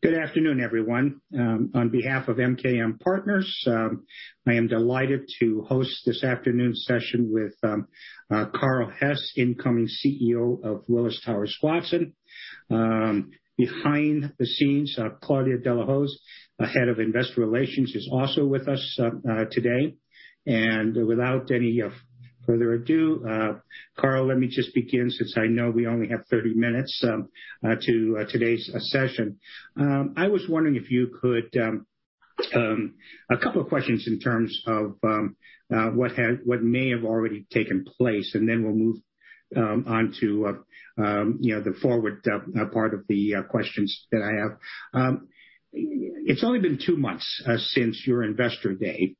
Good afternoon, everyone. On behalf of MKM Partners, I am delighted to host this afternoon's session with Carl Hess, incoming CEO of Willis Towers Watson. Behind the scenes, Claudia De La Hoz, Head of Investor Relations, is also with us today. Without any further ado, Carl, let me just begin since I know we only have 30 minutes to today's session. I was wondering if you could. A couple of questions in terms of what may have already taken place, and then we'll move on to the forward part of the questions that I have. It's only been two months since your Investor Day,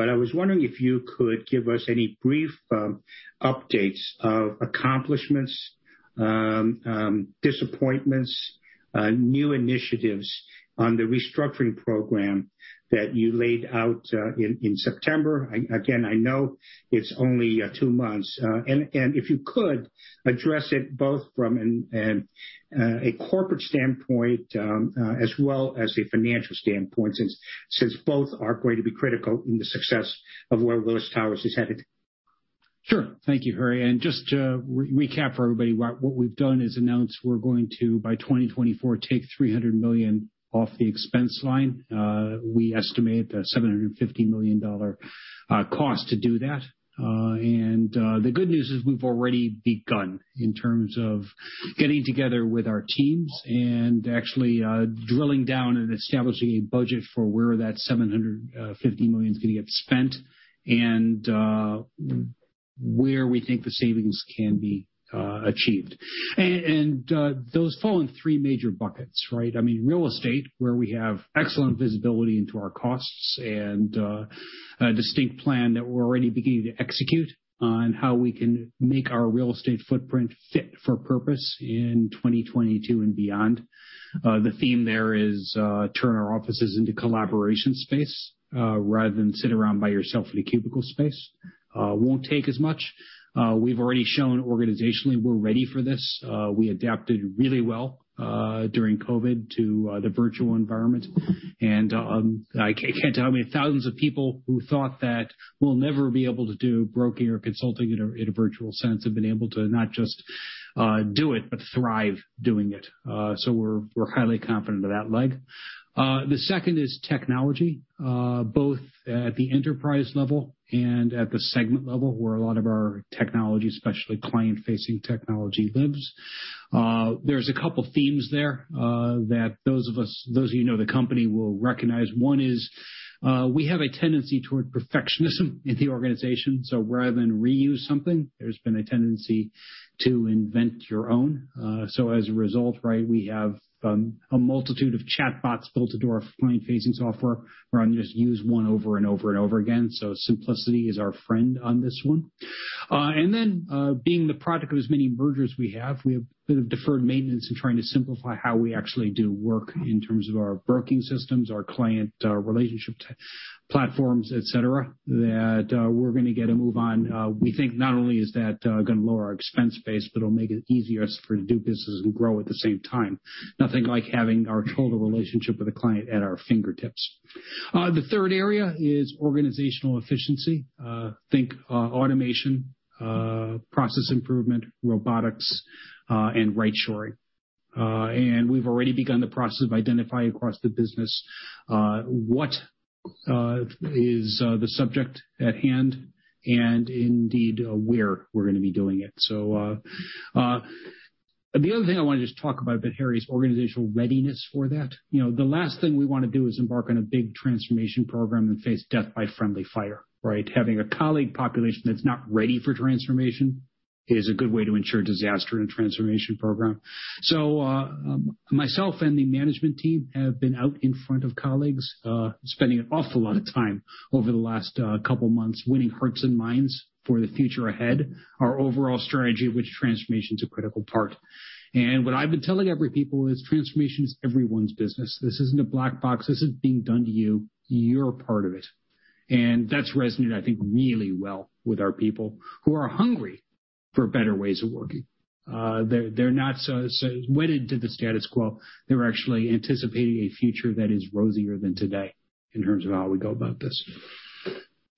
but I was wondering if you could give us any brief updates of accomplishments, disappointments, new initiatives on the restructuring program that you laid out in September. Again, I know it's only two months. If you could, address it both from a corporate standpoint as well as a financial standpoint, since both are going to be critical in the success of where Willis Towers is headed. Sure. Thank you, Harry. Just to recap for everybody, what we've done is announced we're going to, by 2024, take $300 million off the expense line. We estimate a $750 million cost to do that. The good news is we've already begun in terms of getting together with our teams and actually drilling down and establishing a budget for where that $750 million is going to get spent and where we think the savings can be achieved. Those fall in three major buckets, right? Real estate, where we have excellent visibility into our costs and a distinct plan that we're already beginning to execute on how we can make our real estate footprint fit for purpose in 2022 and beyond. The theme there is turn our offices into collaboration space rather than sit around by yourself in a cubicle space. Won't take as much. We've already shown organizationally we're ready for this. We adapted really well during COVID to the virtual environment. I can't tell how many thousands of people who thought that we'll never be able to do broking or consulting in a virtual sense have been able to not just do it, but thrive doing it. We're highly confident of that leg. The second is technology, both at the enterprise level and at the segment level, where a lot of our technology, especially client-facing technology, lives. There's a couple themes there that those of you who know the company will recognize. One is we have a tendency toward perfectionism in the organization. Rather than reuse something, there's been a tendency to invent your own. As a result, right, we have a multitude of chatbots built into our client-facing software rather than just use one over and over and over again. Simplicity is our friend on this one. Being the product of as many mergers we have, we have a bit of deferred maintenance in trying to simplify how we actually do work in terms of our broking systems, our client relationship platforms, et cetera, that we're going to get a move on. We think not only is that going to lower our expense base, but it'll make it easier for us to do business and grow at the same time. Nothing like having our total relationship with a client at our fingertips. The third area is organizational efficiency. Think automation, process improvement, robotics, and right shoring. We've already begun the process of identifying across the business what is the subject at hand and indeed where we're going to be doing it. The other thing I want to just talk about a bit, Harry, is organizational readiness for that. The last thing we want to do is embark on a big transformation program and face death by friendly fire, right? Having a colleague population that's not ready for transformation is a good way to ensure disaster in a transformation program. Myself and the management team have been out in front of colleagues, spending an awful lot of time over the last couple of months winning hearts and minds for the future ahead. Our overall strategy, of which transformation is a critical part. What I've been telling every people is transformation is everyone's business. This isn't a black box. This isn't being done to you. You're a part of it. That's resonated, I think, really well with our people who are hungry for better ways of working. They're not so wedded to the status quo. They're actually anticipating a future that is rosier than today in terms of how we go about this.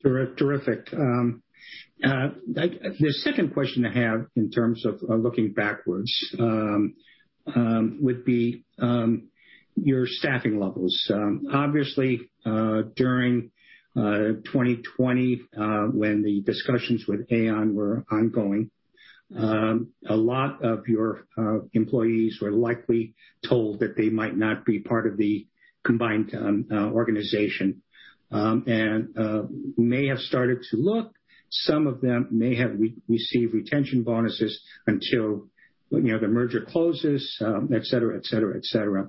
Terrific. The second question I have in terms of looking backwards would be your staffing levels. Obviously, during 2020, when the discussions with Aon were ongoing, a lot of your employees were likely told that they might not be part of the combined organization and may have started to look. Some of them may have received retention bonuses until the merger closes, et cetera, et cetera, et cetera.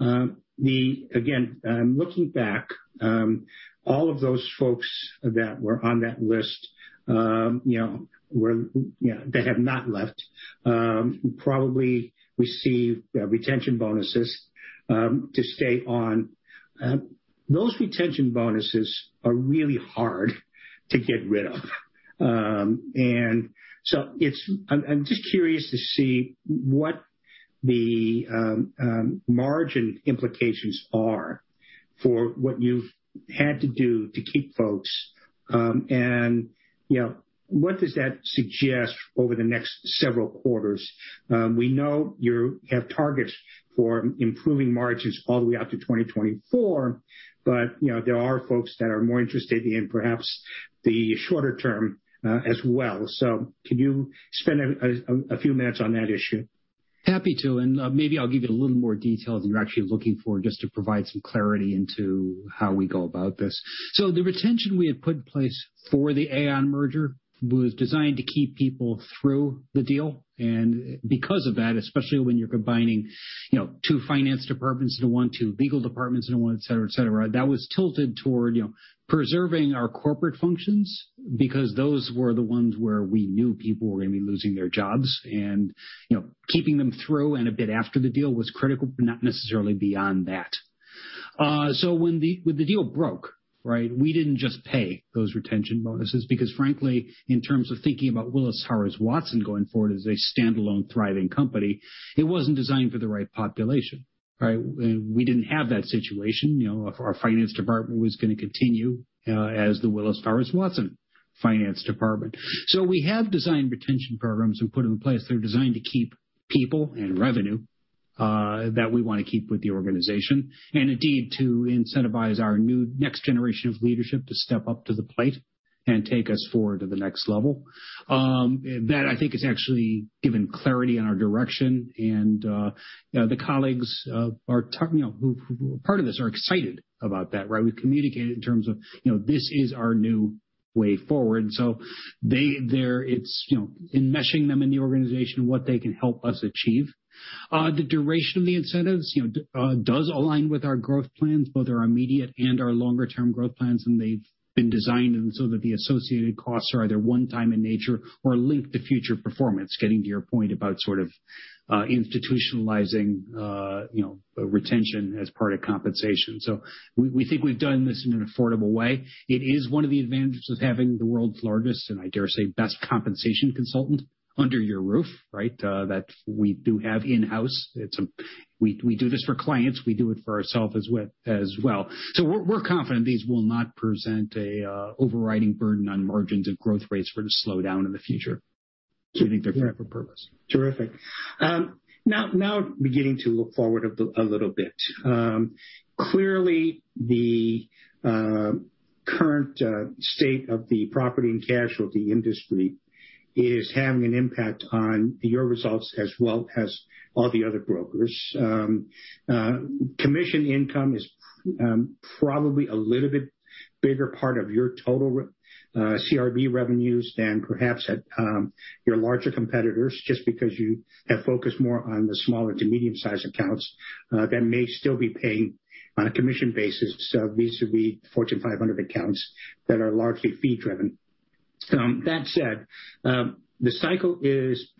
Again, looking back, all of those folks that were on that list that have not left probably received retention bonuses to stay on. Those retention bonuses are really hard to get rid of. I'm just curious to see what the margin implications are for what you've had to do to keep folks. What does that suggest over the next several quarters? We know you have targets for improving margins all the way out to 2024, there are folks that are more interested in perhaps the shorter term as well. Can you spend a few minutes on that issue? Happy to, maybe I'll give you a little more detail than you're actually looking for just to provide some clarity into how we go about this. The retention we had put in place for the Aon merger was designed to keep people through the deal. Because of that, especially when you're combining two finance departments into one, two legal departments into one, et cetera. That was tilted toward preserving our corporate functions because those were the ones where we knew people were going to be losing their jobs. Keeping them through and a bit after the deal was critical, not necessarily beyond that. When the deal broke, we didn't just pay those retention bonuses because frankly, in terms of thinking about Willis Towers Watson going forward as a standalone thriving company, it wasn't designed for the right population. We didn't have that situation. Our finance department was going to continue as the Willis Towers Watson finance department. We have designed retention programs and put them in place. They're designed to keep people and revenue that we want to keep with the organization, indeed to incentivize our new next generation of leadership to step up to the plate and take us forward to the next level. That I think has actually given clarity on our direction. The colleagues who are part of this are excited about that. We've communicated in terms of this is our new way forward. Enmeshing them in the organization and what they can help us achieve. The duration of the incentives does align with our growth plans, both our immediate and our longer-term growth plans, and they've been designed so that the associated costs are either one time in nature or linked to future performance, getting to your point about sort of institutionalizing retention as part of compensation. We think we've done this in an affordable way. It is one of the advantages of having the world's largest, and I dare say, best compensation consultant under your roof that we do have in-house. We do this for clients, we do it for ourselves as well. We're confident these will not present an overriding burden on margins and growth rates for the slowdown in the future. We think they're fit for purpose. Terrific. Beginning to look forward a little bit. Clearly, the current state of the P&C industry is having an impact on your results as well as all the other brokers. Commission income is probably a little bit bigger part of your total CRB revenues than perhaps at your larger competitors, just because you have focused more on the smaller to medium-sized accounts that may still be paying on a commission basis. Vis-à-vis Fortune 500 accounts that are largely fee driven. That said, the cycle is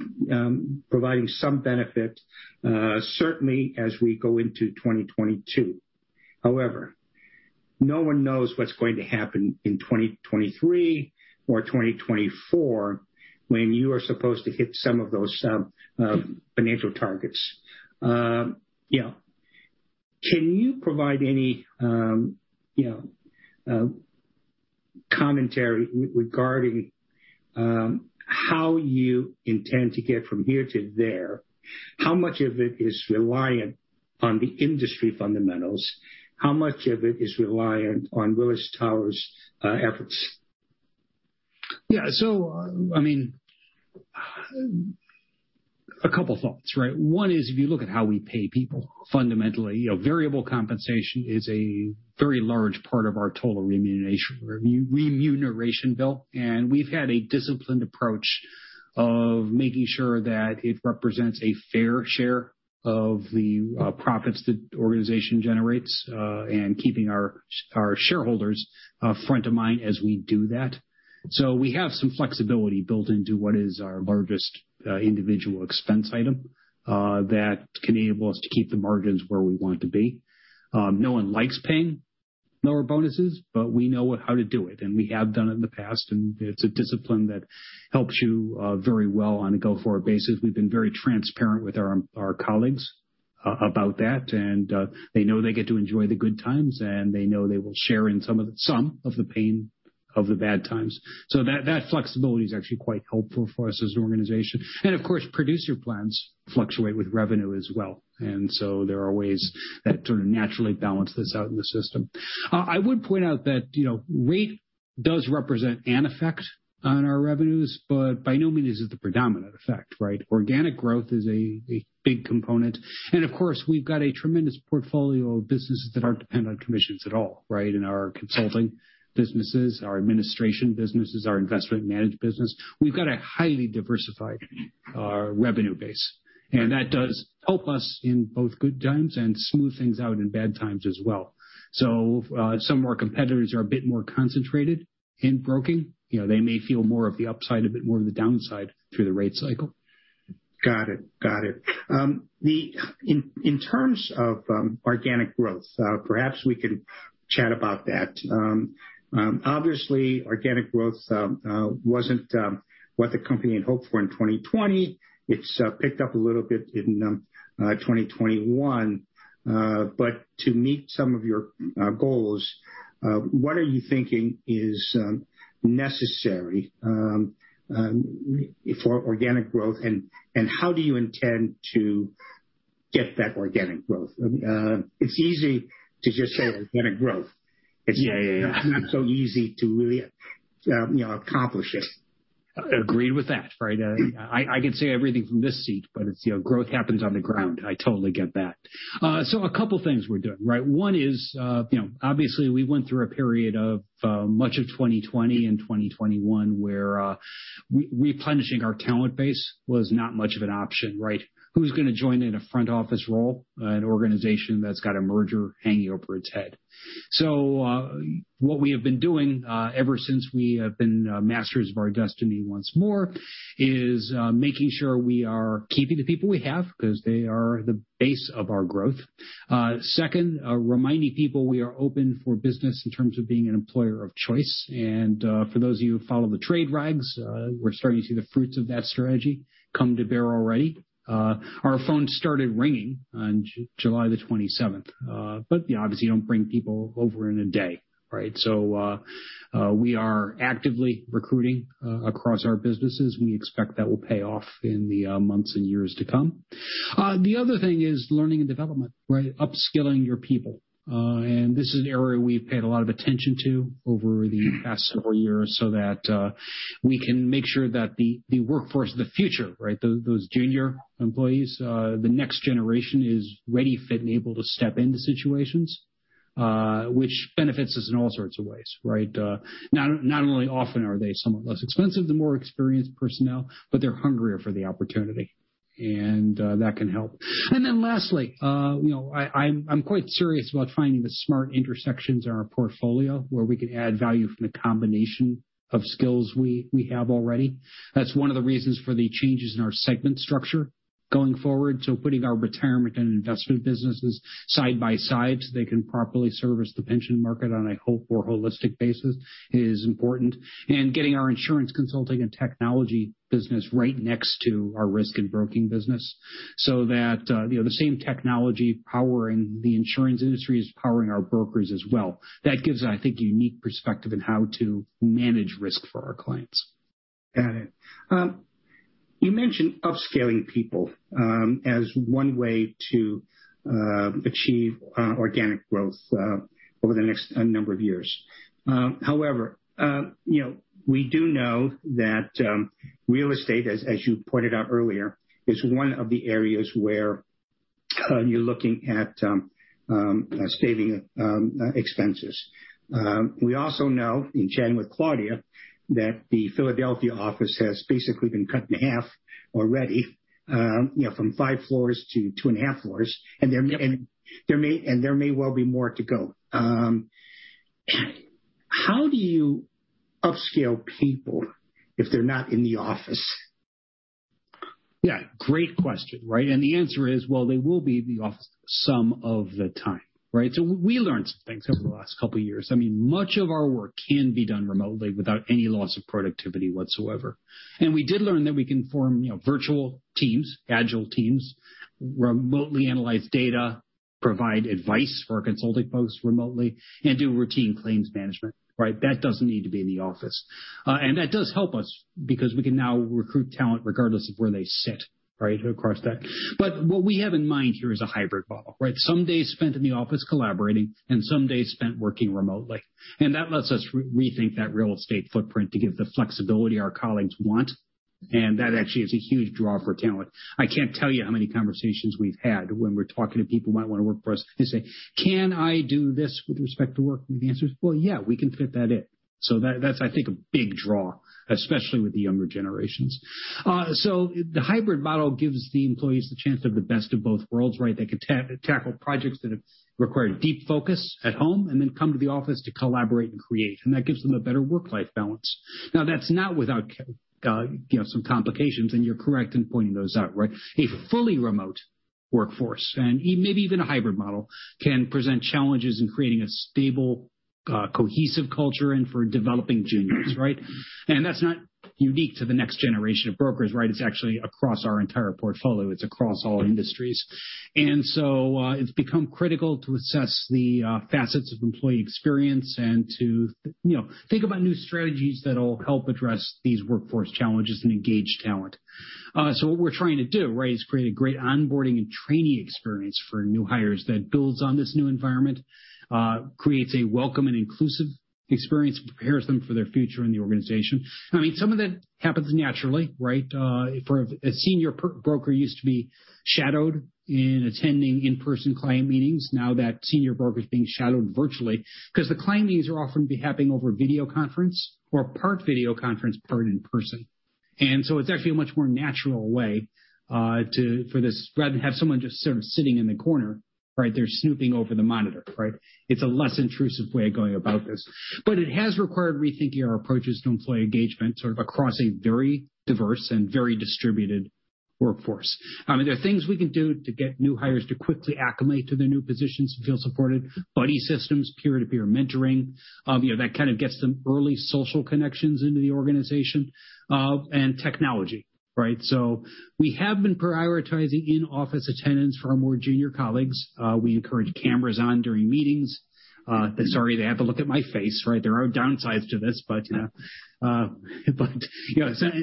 providing some benefit certainly as we go into 2022. No one knows what's going to happen in 2023 or 2024 when you are supposed to hit some of those financial targets. Can you provide any commentary regarding how you intend to get from here to there? How much of it is reliant on the industry fundamentals? How much of it is reliant on Willis Towers' efforts? Yeah. A couple thoughts. One is if you look at how we pay people fundamentally, variable compensation is a very large part of our total remuneration bill. We've had a disciplined approach of making sure that it represents a fair share of the profits the organization generates, and keeping our shareholders front of mind as we do that. We have some flexibility built into what is our largest individual expense item that can enable us to keep the margins where we want to be. No one likes paying lower bonuses. We know how to do it, and we have done it in the past, and it's a discipline that helps you very well on a go-forward basis. We've been very transparent with our colleagues about that, and they know they get to enjoy the good times, and they know they will share in some of the pain of the bad times. That flexibility is actually quite helpful for us as an organization. Of course, producer plans fluctuate with revenue as well. There are ways that sort of naturally balance this out in the system. I would point out that rate does represent an effect on our revenues. By no means is it the predominant effect. Organic growth is a big component. Of course, we've got a tremendous portfolio of businesses that aren't dependent on commissions at all. In our consulting businesses, our administration businesses, our investment managed business. We've got a highly diversified revenue base, and that does help us in both good times and smooth things out in bad times as well. Some of our competitors are a bit more concentrated in broking, they may feel more of the upside, a bit more of the downside through the rate cycle. Got it. In terms of organic growth, perhaps we can chat about that. Obviously, organic growth wasn't what the company had hoped for in 2020. It's picked up a little bit in 2021. To meet some of your goals, what are you thinking is necessary for organic growth, and how do you intend to get that organic growth? It's easy to just say organic growth. Yeah. It's not so easy to really accomplish it. Agree with that. I can say everything from this seat, growth happens on the ground. I totally get that. A couple things we're doing. One is, obviously we went through a period of much of 2020 and 2021 where replenishing our talent base was not much of an option. Who's going to join in a front office role at an organization that's got a merger hanging over its head? What we have been doing, ever since we have been masters of our destiny once more, is making sure we are keeping the people we have because they are the base of our growth. Second, reminding people we are open for business in terms of being an employer of choice. For those of you who follow the trade rags, we're starting to see the fruits of that strategy come to bear already. Our phones started ringing on July the 27th. You obviously don't bring people over in a day. We are actively recruiting across our businesses. We expect that will pay off in the months and years to come. The other thing is learning and development. Upskilling your people. This is an area we've paid a lot of attention to over the past several years so that we can make sure that the workforce of the future, those junior employees, the next generation is ready, fit, and able to step into situations, which benefits us in all sorts of ways. Not only often are they somewhat less expensive than more experienced personnel, but they're hungrier for the opportunity, and that can help. Lastly, I'm quite serious about finding the smart intersections in our portfolio where we can add value from the combination of skills we have already. That's one of the reasons for the changes in our segment structure going forward. Putting our retirement and investment businesses side by side so they can properly service the pension market on a whole more holistic basis is important. Getting our insurance consulting and technology business right next to our risk and broking business so that the same technology powering the insurance industry is powering our brokers as well. That gives, I think, a unique perspective on how to manage risk for our clients. Got it. You mentioned upskilling people as one way to achieve organic growth over the next number of years. However, we do know that real estate, as you pointed out earlier, is one of the areas where you're looking at saving expenses. We also know, in chatting with Claudia, that the Philadelphia office has basically been cut in half already from five floors to two and a half floors, and there may well be more to go. How do you upskill people if they're not in the office? Yeah, great question. The answer is, well, they will be in the office some of the time. We learned some things over the last couple of years. Much of our work can be done remotely without any loss of productivity whatsoever. We did learn that we can form virtual teams, agile teams, remotely analyze data, provide advice for our consulting folks remotely, and do routine claims management. That doesn't need to be in the office. That does help us because we can now recruit talent regardless of where they sit across that. What we have in mind here is a hybrid model. Some days spent in the office collaborating and some days spent working remotely. That lets us rethink that real estate footprint to give the flexibility our colleagues want, and that actually is a huge draw for talent. I can't tell you how many conversations we've had when we're talking to people who might want to work for us. They say, "Can I do this with respect to work?" The answer is, well, yeah, we can fit that in. That's, I think, a big draw, especially with the younger generations. The hybrid model gives the employees the chance to have the best of both worlds. They can tackle projects that require deep focus at home and then come to the office to collaborate and create, and that gives them a better work-life balance. That's not without some complications, and you're correct in pointing those out. A fully remote workforce, and maybe even a hybrid model, can present challenges in creating a stable, cohesive culture and for developing juniors. That's not unique to the next generation of brokers. It's actually across our entire portfolio. It's across all industries. It's become critical to assess the facets of employee experience and to think about new strategies that'll help address these workforce challenges and engage talent. What we're trying to do is create a great onboarding and training experience for new hires that builds on this new environment, creates a welcome and inclusive experience, and prepares them for their future in the organization. Some of that happens naturally. A senior broker used to be shadowed in attending in-person client meetings. That senior broker is being shadowed virtually because the client meetings are often happening over video conference or part video conference, part in person. It's actually a much more natural way for this, rather than have someone just sort of sitting in the corner, right, they're snooping over the monitor, right? It's a less intrusive way of going about this. It has required rethinking our approaches to employee engagement, sort of across a very diverse and very distributed workforce. There are things we can do to get new hires to quickly acclimate to their new positions and feel supported. Buddy systems, peer-to-peer mentoring, that kind of gets them early social connections into the organization, and technology, right? We have been prioritizing in-office attendance for our more junior colleagues. We encourage cameras on during meetings. Sorry, they have to look at my face, right? There are downsides to this.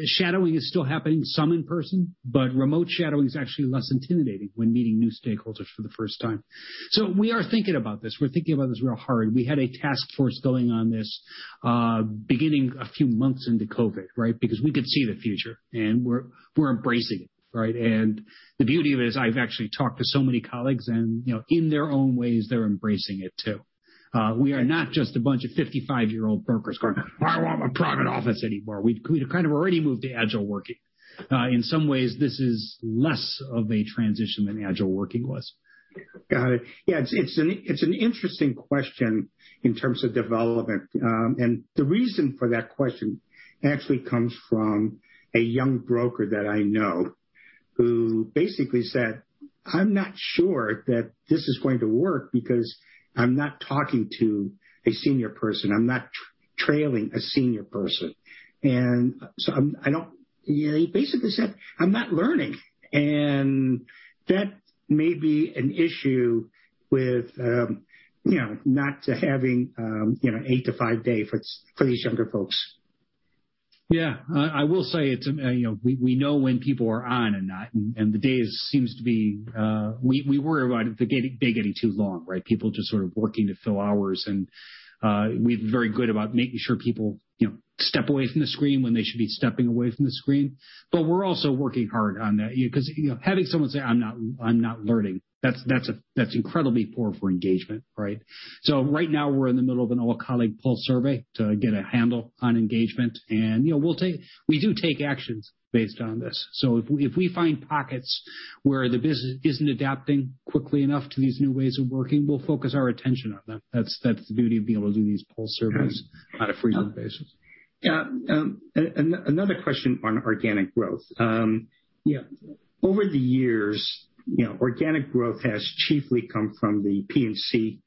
Shadowing is still happening, some in person, but remote shadowing is actually less intimidating when meeting new stakeholders for the first time. We are thinking about this. We're thinking about this real hard. We had a task force going on this beginning a few months into COVID, right? Because we could see the future, and we're embracing it, right? The beauty of it is I've actually talked to so many colleagues and, in their own ways, they're embracing it too. We are not just a bunch of 55-year-old brokers going, "I want my private office anymore." We'd kind of already moved to agile working. In some ways, this is less of a transition than agile working was. Got it. Yeah, it's an interesting question in terms of development. The reason for that question actually comes from a young broker that I know who basically said, "I'm not sure that this is going to work because I'm not talking to a senior person. I'm not trailing a senior person." He basically said, "I'm not learning." That may be an issue with not having an 8:00 to 5:00 day for these younger folks. Yeah. I will say we know when people are on and not. We worry about the day getting too long, right? People just sort of working to fill hours. We're very good about making sure people step away from the screen when they should be stepping away from the screen. We're also working hard on that because having someone say, "I'm not learning," that's incredibly poor for engagement, right? Right now we're in the middle of an all-colleague pulse survey to get a handle on engagement. We do take actions based on this. If we find pockets where the business isn't adapting quickly enough to these new ways of working, we'll focus our attention on them. That's the beauty of being able to do these pulse surveys on a frequent basis. Yeah. Another question on organic growth. Yeah. Over the years, organic growth has chiefly come from the P&C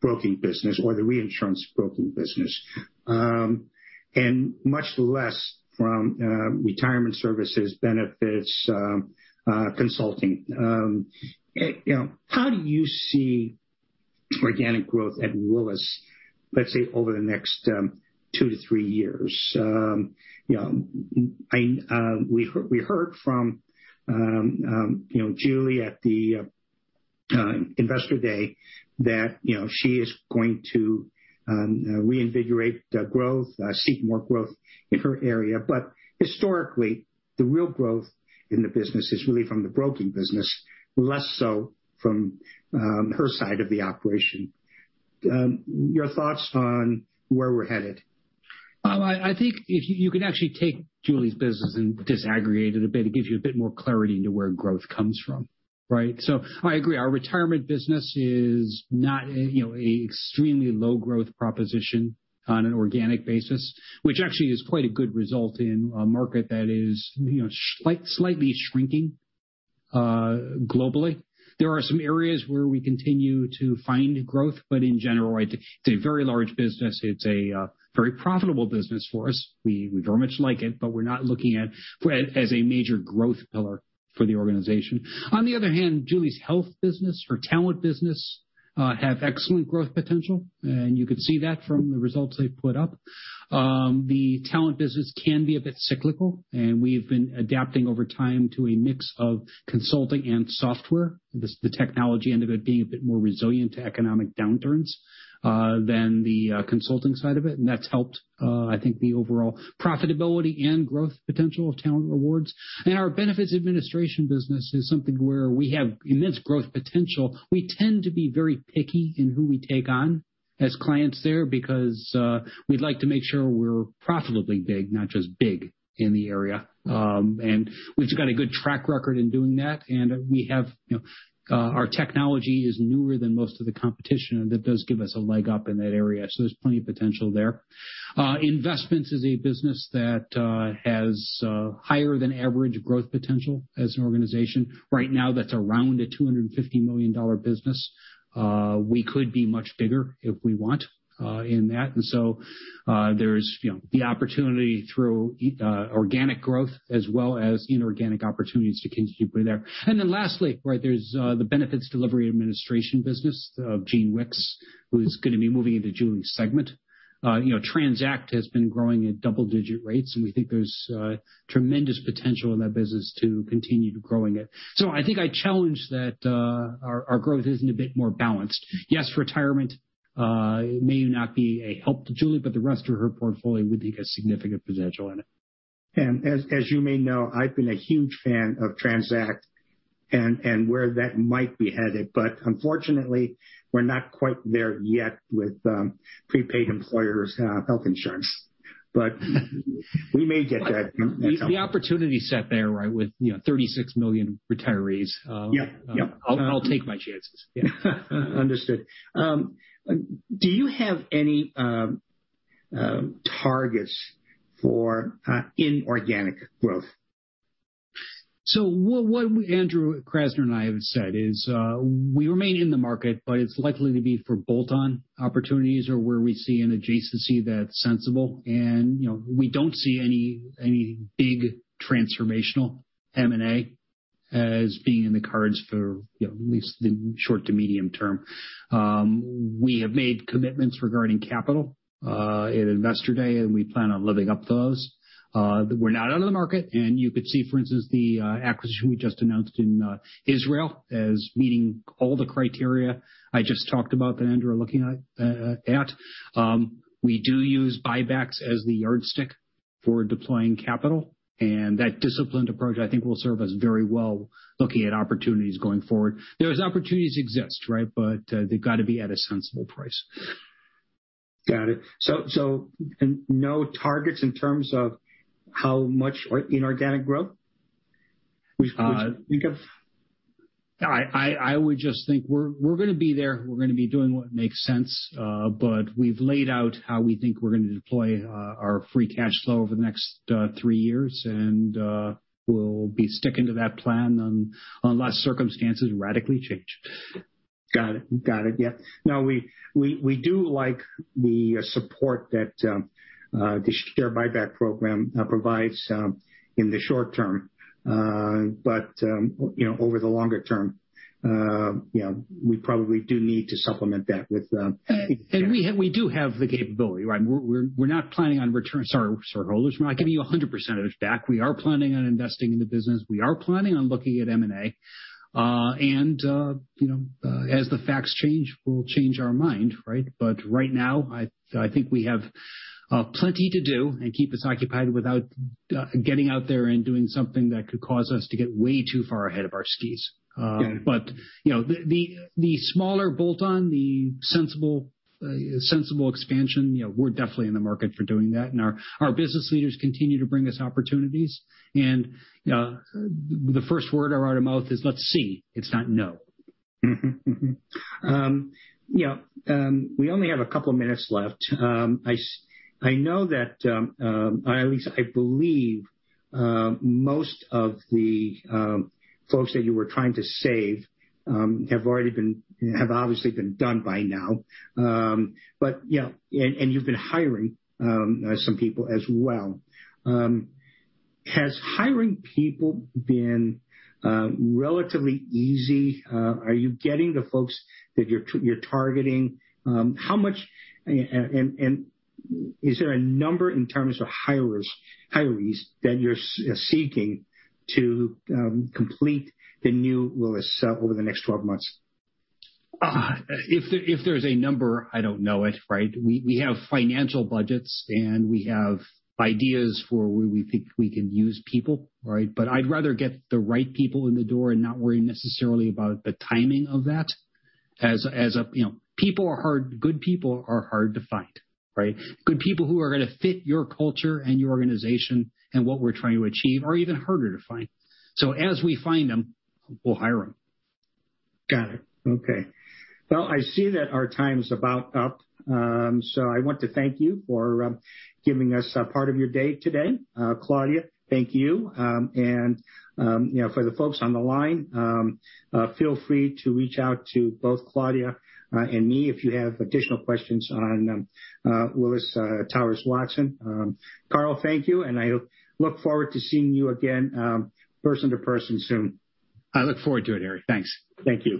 broking business or the reinsurance broking business, and much less from retirement services, benefits, consulting. How do you see organic growth at Willis, let's say, over the next two to three years? We heard from Julie at the Investor Day that she is going to reinvigorate the growth, seek more growth in her area. Historically, the real growth in the business is really from the broking business, less so from her side of the operation. Your thoughts on where we're headed? I think if you can actually take Julie's business and disaggregate it a bit, it gives you a bit more clarity into where growth comes from, right? I agree, our retirement business is not an extremely low-growth proposition on an organic basis, which actually is quite a good result in a market that is slightly shrinking globally. There are some areas where we continue to find growth, but in general, it's a very large business. It's a very profitable business for us. We very much like it, but we're not looking at it as a major growth pillar for the organization. On the other hand, Julie's health business, her talent business, have excellent growth potential, and you could see that from the results they've put up. The talent business can be a bit cyclical, and we've been adapting over time to a mix of consulting and software, the technology end of it being a bit more resilient to economic downturns than the consulting side of it, and that's helped I think the overall profitability and growth potential of Talent & Rewards. Our benefits administration business is something where we have immense growth potential. We tend to be very picky in who we take on as clients there because we'd like to make sure we're profitably big, not just big in the area. We've got a good track record in doing that, and our technology is newer than most of the competition, and that does give us a leg up in that area. There's plenty of potential there. Investments is a business that has higher than average growth potential as an organization. Right now, that's around a $250 million business. We could be much bigger if we want in that. There is the opportunity through organic growth as well as inorganic opportunities to continue to grow there. Lastly, right, there's the benefits delivery administration business of Gene Wickes, who is going to be moving into Julie's segment. TRANZACT has been growing at double-digit rates, and we think there's tremendous potential in that business to continue growing it. I think I challenge that our growth isn't a bit more balanced. Yes, retirement may not be a help to Julie, but the rest of her portfolio would be a significant potential in it. As you may know, I've been a huge fan of TRANZACT and where that might be headed. Unfortunately, we're not quite there yet with [inaudible] health insurance. We may get there at some point. The opportunity's set there, with 36 million retirees. Yeah. I'll take my chances. Yeah. Understood. Do you have any targets for inorganic growth? What Andrew Krasner and I have said is, we remain in the market, but it's likely to be for bolt-on opportunities or where we see an adjacency that's sensible. We don't see any big transformational M&A as being in the cards for at least the short to medium term. We have made commitments regarding capital at Investor Day, and we plan on living up to those. That we're not out of the market, and you could see, for instance, the acquisition we just announced in Israel as meeting all the criteria I just talked about that Andrew are looking at. We do use buybacks as the yardstick for deploying capital, and that disciplined approach, I think, will serve us very well looking at opportunities going forward. Those opportunities exist. They've got to be at a sensible price. Got it. No targets in terms of how much inorganic growth would you think of? I would just think we're going to be there, we're going to be doing what makes sense. We've laid out how we think we're going to deploy our free cash flow over the next three years, and we'll be sticking to that plan unless circumstances radically change. Got it. Yeah. We do like the support that the share buyback program provides in the short term. Over the longer term, we probably do need to supplement that. We do have the capability. We're not planning on returns to our shareholders. We're not giving you 100% of it back. We are planning on investing in the business. We are planning on looking at M&A. As the facts change, we'll change our mind. Right now, I think we have plenty to do and keep us occupied without getting out there and doing something that could cause us to get way too far ahead of our skis. Got it. The smaller bolt-on, the sensible expansion, we're definitely in the market for doing that, and our business leaders continue to bring us opportunities. The first word out of mouth is, "Let's see." It's not no. We only have a couple minutes left. I know that, or at least I believe, most of the folks that you were trying to save have obviously been done by now. Yeah, and you've been hiring some people as well. Has hiring people been relatively easy? Are you getting the folks that you're targeting? How much, and is there a number in terms of hires that you're seeking to complete the new Willis over the next 12 months? If there's a number, I don't know it. We have financial budgets, and we have ideas for where we think we can use people. I'd rather get the right people in the door and not worry necessarily about the timing of that. Good people are hard to find. Good people who are going to fit your culture and your organization and what we're trying to achieve are even harder to find. As we find them, we'll hire them. Got it. Okay. Well, I see that our time is about up. I want to thank you for giving us part of your day today. Claudia, thank you. For the folks on the line, feel free to reach out to both Claudia and me if you have additional questions on Willis Towers Watson. Carl, thank you, and I look forward to seeing you again person to person soon. I look forward to it, Harry. Thanks. Thank you.